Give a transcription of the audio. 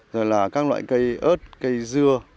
rồi là các loại cây ớt cây dưa